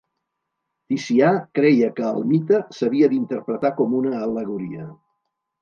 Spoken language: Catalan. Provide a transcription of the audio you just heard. Ticià creia que el mite s'havia d'interpretar com una al·legoria.